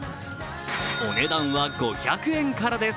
お値段は５００円からです。